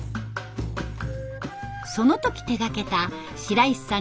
その時手がけた白石さん